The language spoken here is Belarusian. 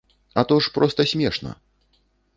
А то ж проста смешна!